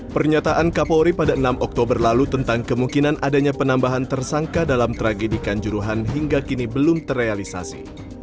pernyataan kapolri pada enam oktober lalu tentang kemungkinan adanya penambahan tersangka dalam tragedi kanjuruhan hingga kini belum terrealisasi